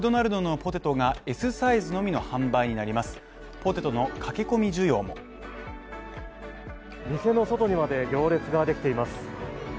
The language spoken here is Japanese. ポテトの駆け込み需要も店の外にまで行列ができています。